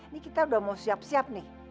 ini kita udah mau siap siap nih